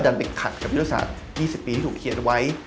ไปขัดกับยุทธศาสตร์๒๐ปีที่ถูกเขียนไว้